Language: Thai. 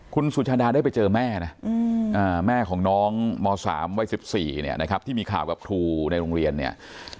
คุณสุชาดาได้ไปเจอแม่นะแม่ของน้องม๓วัย๑๔เนี่ยนะครับที่มีข่าวกับครูในโรงเรียนเนี่ย